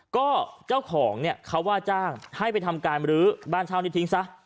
ก็เจ้าของเนี่ยเขาว่าจ้างให้ไปทำการรื้อบ้านเช่านี้ทิ้งซะ